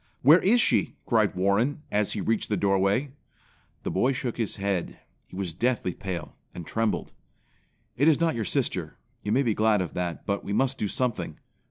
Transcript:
"Where is she?" cried Warren as he reached the doorway. The boy shook his head. He was deathly pale, and trembled. "It is not your sister; you may be glad of that; but we must do something.